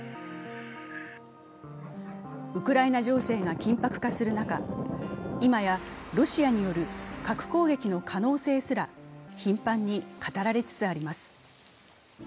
ウクライナ情勢が緊迫化する中、今やロシアによる核攻撃の可能性すら頻繁に語られつつあります。